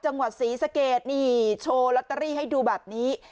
จังหวัดศรีสะเกดนี่โชว์ลอตเตอรี่ให้ดูแบบนี้